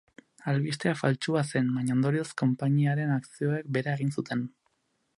Albistea faltsua zen, baina ondorioz konpainiaren akzioek behera egin zuten.